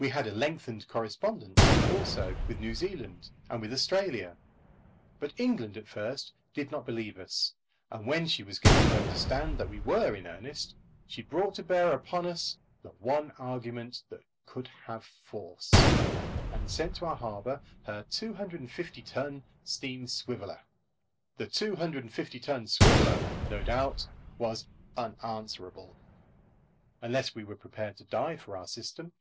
We had a lengthened correspondence also with New Zealand and with Australia; but England at first did not believe us; and when she was given to understand that we were in earnest, she brought to bear upon us the one argument that could have force, and sent to our harbour her 250 ton steam swiveller. The 250 ton swiveller, no doubt, was unanswerable unless we were prepared to die for our system.